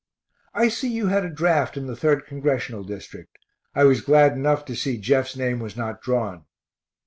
I see you had a draft in the 3d Congressional district. I was glad enough to see Jeff's name was not drawn.